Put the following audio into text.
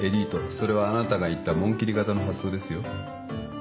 それはあなたが言った紋切り型の発想ですよ。